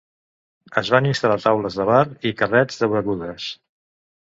Es van instal·lar taules de bar i carrets de begudes.